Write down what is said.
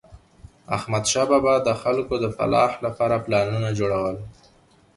احمدشاه بابا به د خلکو د فلاح لپاره پلانونه جوړول.